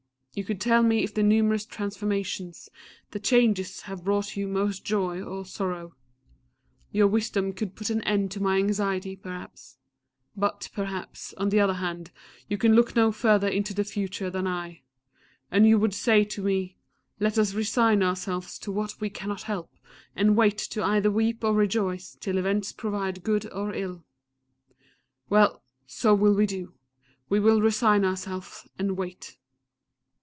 You could tell me if the numerous transformations, the changes, have brought you most joy or sorrow. Your wisdom could put an end to my anxiety, perhaps; But perhaps, on the other hand, you can look no further into the future than I; and you would say to me, "Let us resign ourselves to what we cannot help, and wait to either weep or rejoice, till events prove good or ill."... Well! so will we do. We will resign ourselves, and wait.